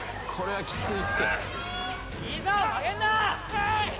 はい！